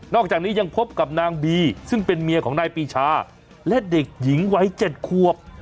อกจากนี้ยังพบกับนางบีซึ่งเป็นเมียของนายปีชาและเด็กหญิงวัย๗ควบ